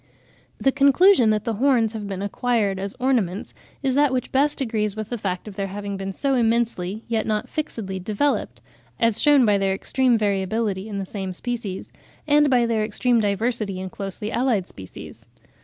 The conclusion that the horns have been acquired as ornaments is that which best agrees with the fact of their having been so immensely, yet not fixedly, developed,—as shewn by their extreme variability in the same species, and by their extreme diversity in closely allied species.